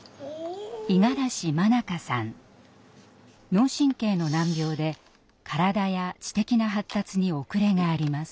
脳神経の難病で体や知的な発達に遅れがあります。